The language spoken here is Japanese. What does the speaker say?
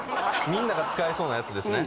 みんなが使えそうなやつですね。